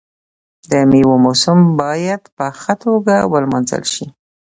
د میوو موسم باید په ښه توګه ولمانځل شي.